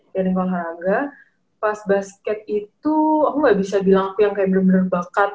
dani olahraga pas basket itu aku gak bisa bilang aku yang kayak bener bener bakat